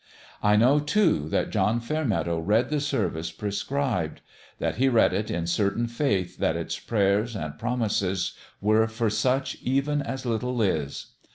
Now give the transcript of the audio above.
I know, too, that John Fairmeadow read the service prescribed that he read it in certain faith that its prayers and promises were for such even as little Liz.